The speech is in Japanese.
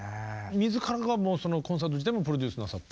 自らがもうそのコンサート自体もプロデュースなさって。